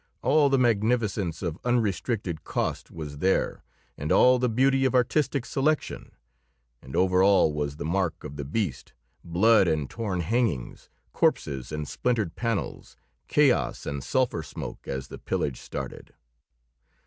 All the magnificence of unrestricted cost was there; and all the beauty of artistic selection; and over all was the mark of the beast blood and torn hangings, corpses and splintered panels, chaos and sulfur smoke as the pillage started.